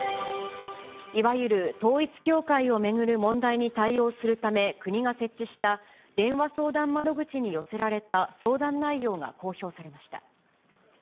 いわゆる統一教会を巡る問題に対応するため国が設置した、電話相談窓口に寄せられた相談内容が公表されました。